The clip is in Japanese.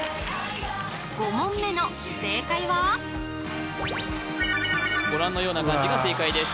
５問目の正解はご覧のような漢字が正解です